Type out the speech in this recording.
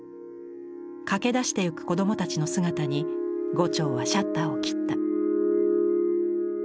駆けだしてゆく子どもたちの姿に牛腸はシャッターを切った。